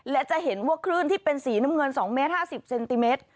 และจะเห็นว่าคลื่นที่เป็นสีน้ำเงิน๒เมตร๕๐เซนติเมตร